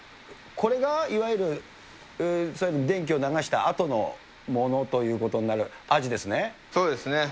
これがいわゆる電気を流したあとのものということになる、アジでそうですね。